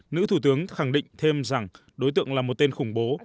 nữ thủ tướng khẳng định thêm rằng đối tượng là một tên khủng bố